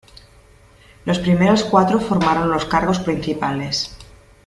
Los primeros cuatro formaron los cargos principales.